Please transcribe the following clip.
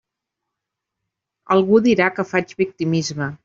Algú dirà que faig victimisme.